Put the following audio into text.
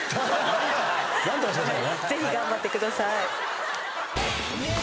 ぜひ頑張ってください。